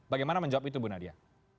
bagaimana menjawab itu bu nadia